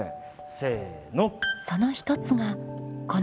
せの。